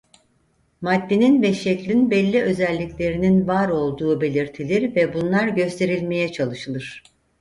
Maddenin ve şeklin belli özelliklerinin var olduğu belirtilir ve bunlar gösterilmeye çalışılır.